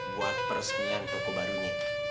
buat persemian toko barunya